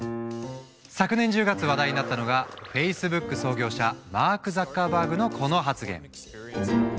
昨年１０月話題になったのがフェイスブック創業者マーク・ザッカーバーグのこの発言。